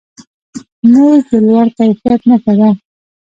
مېز د لوړ کیفیت نښه ده.